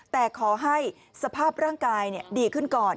แต่ขอให้สภาพร่างกายดีขึ้นก่อน